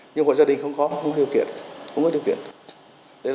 nhưng hội gia đình không có điều kiện không có điều kiện